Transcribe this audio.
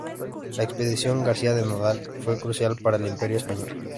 La expedición García de Nodal fue crucial para el Imperio español.